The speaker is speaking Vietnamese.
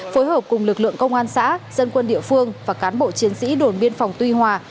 phối hợp cùng lực lượng công an xã dân quân địa phương và cán bộ chiến sĩ đồn biên phòng tuy hòa